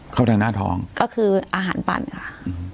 เข้าทางหน้าท้องก็คืออาหารปั่นค่ะ